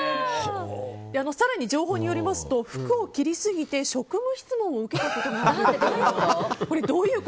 更に情報によりますと服を切りすぎて職務質問を受けたことがあるという。